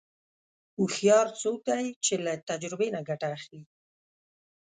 هوښیار څوک دی چې له تجربې نه ګټه اخلي.